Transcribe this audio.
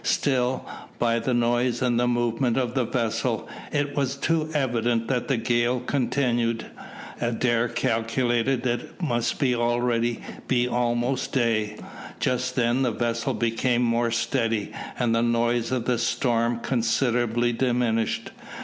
Still, by the noise and the movement of the vessel, it was too evident that the gale continued. Adair calculated that it must already be almost day. Just then the vessel became more steady, and the noise of the storm considerably diminished.